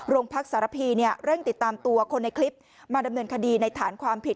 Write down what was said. โรงพักสารพีเร่งติดตามตัวคนในคลิปมาดำเนินคดีในฐานความผิด